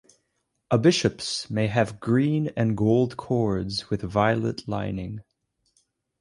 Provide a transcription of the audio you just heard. A bishop's may have green and gold cords with violet lining.